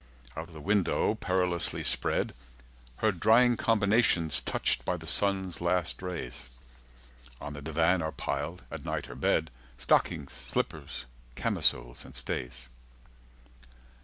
Out of the window perilously spread Her drying combinations touched by the sun's last rays, On the divan are piled (at night her bed) Stockings, slippers, camisoles, and stays.